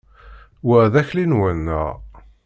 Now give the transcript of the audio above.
Wa d akli-nwen, naɣ?